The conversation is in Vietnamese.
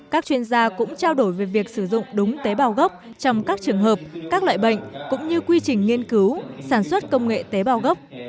các chuyên gia cũng trao đổi về việc sử dụng đúng tế bào gốc trong các trường hợp các loại bệnh cũng như quy trình nghiên cứu sản xuất công nghệ tế bào gốc